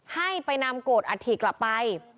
ให้ไปนำโกรธอัฐิกลับไป